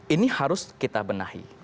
ini harus kita benahi